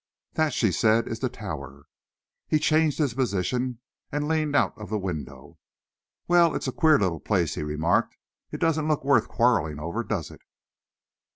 "That," she said, "is the Tower." He changed his position and leaned out of the window. "Well, it's a queer little place," he remarked. "It doesn't look worth quarrelling over, does it?"